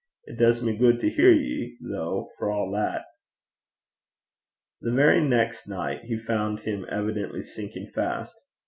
It does me gude to hear ye, though, for a' that.' The very next night he found him evidently sinking fast.